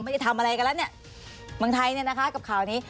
ไม่ได้ทำอะไรกันแล้วเนี่ยเมืองไทยเนี่ยนะคะกับข่าวนี้